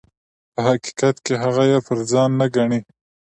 په حقیقت کې هغه یې پر ځان نه ګڼي.